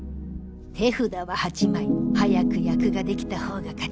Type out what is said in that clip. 手札は８枚早く役ができたほうが勝ち。